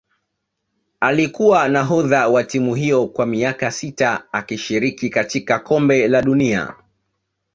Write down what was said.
Alikuwa nahodha wa timu hiyo kwa miaka sita akishiriki katika kombe la dunia